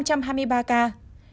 thở oxy dòng cao hfnc